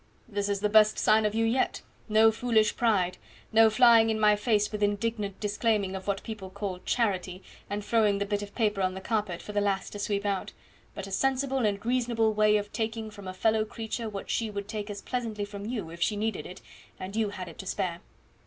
"This is the best sign of you yet no foolish pride no flying in my face with indignant disclaiming of what people call charity, and throwing the bit of paper on the carpet for the lass to sweep out, but a sensible and reasonable way of taking from a fellow creature what she would take as pleasantly from you if she needed it and you had it to spare.